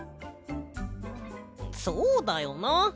そうだよな。